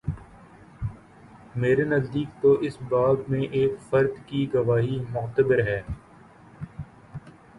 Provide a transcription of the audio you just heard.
میرے نزدیک تواس باب میں ایک فرد کی گواہی معتبر ہے۔